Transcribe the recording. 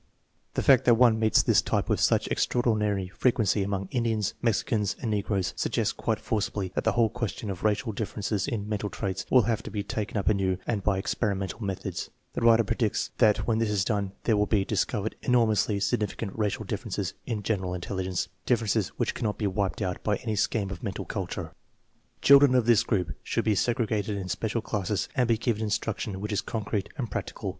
The fact that one meets this type with such extra ordinary frequency among Indians, Mexicans, and negroes * BALL AND FIELD TEST. AGE M . MENTAL AGE 1M 92 THE MEASUREMENT OF INTELLIGENCE suggests quite forcibly that the whole question of racial differences in mental traits will have to be taken up anew and by experimental methods. The writer predicts that when this is done there will be discovered enormously sig nificant racial differences in general intelligence, differ ences which cannot be wiped out by any scheme of mental culture. Children of this group should be segregated in special classes and be given instruction which is concrete and prac tical.